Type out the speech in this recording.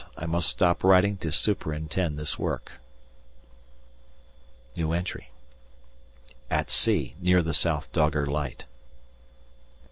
I must stop writing to superintend this work. _At sea. Near the South Dogger Light.